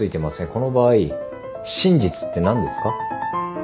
この場合真実って何ですか？